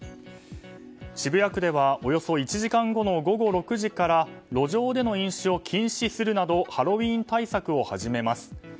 渋谷区では、およそ１時間後の午後６時から路上での飲酒を禁止するなどハロウィーン対策を始めます。